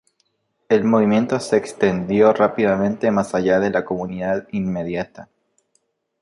El movimiento se extendió rápidamente más allá de la comunidad inmediata.